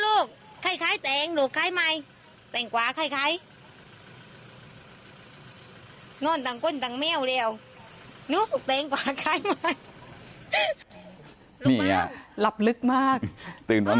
โอ้กุนกันอ้อบ่าวหลุดบ่าว